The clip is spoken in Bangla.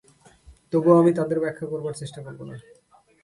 তবু আমি তাদের ব্যাখ্যা করবার চেষ্টা করব না।